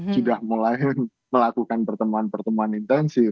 sudah mulai melakukan pertemuan pertemuan intensif